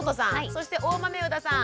そして大豆生田さん。